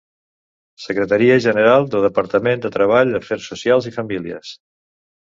Secretaria General del Departament de Treball, Afers Socials i Famílies.